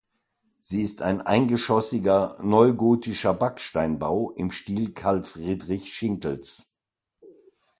Sie ist ein eingeschossiger neugotischer Backsteinbau im Stil Karl Friedrich Schinkels.